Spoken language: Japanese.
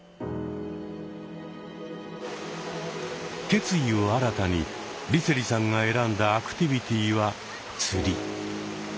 決意を新たに梨星さんが選んだアクティビティは釣り。